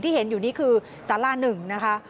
ที่เห็นอยู่นี่คือสาระหนึ่งนะคะ